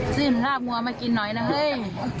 ซื้อภาพหัวมากินหน่อยนะเฮ้ย